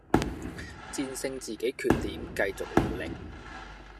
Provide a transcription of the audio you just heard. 戰勝自己缺點，繼續努力